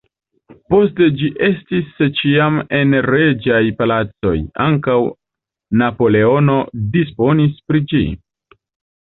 Poste ĝi estis ĉiam en reĝaj palacoj, ankaŭ Napoleono disponis pri ĝi.